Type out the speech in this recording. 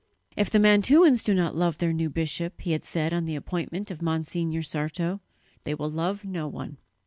"If the Mantuans do not love their new bishop," he had said on the appointment of Monsignor Sarto, "they will love no one."